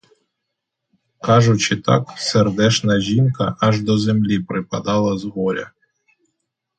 Кажучи так, сердешна жінка аж до землі припадала з горя.